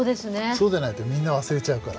そうでないとみんな忘れちゃうから。